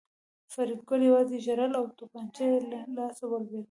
فریدګل یوازې ژړل او توپانچه یې له لاسه ولوېده